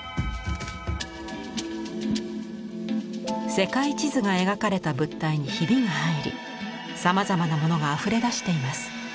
世界地図が描かれた物体にひびが入りさまざまなものがあふれ出しています。